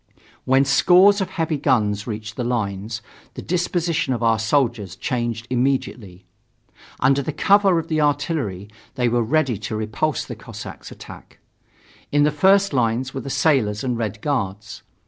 When scores of heavy guns reached the lines, the disposition of our soldiers changed immediately. Under cover of the artillery they were ready to repulse the Cossacks' attack. In the first lines were the sailors and Red Guards.